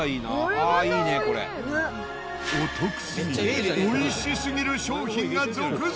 お得すぎて美味しすぎる商品が続々！